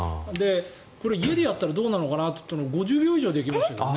これ、家でやったらどうなるのかなと思ったら５０秒以上できましたよ